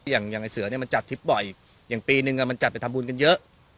อย่างไอเสือเนี่ยมันจัดทริปบ่อยอย่างปีนึงมันจัดไปทำบุญกันเยอะ